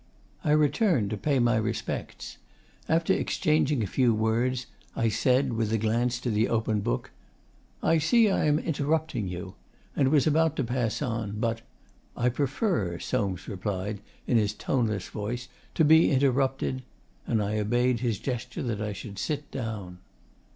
I returned to pay my respects. After exchanging a few words, I said with a glance to the open book, 'I see I am interrupting you,' and was about to pass on, but 'I prefer,' Soames replied in his toneless voice, 'to be interrupted,' and I obeyed his gesture that I should sit down.